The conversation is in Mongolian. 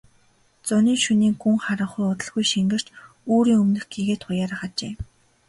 Зуны шөнийн гүн харанхуй удалгүй шингэрч үүрийн өмнөх гэгээ туяарах ажээ.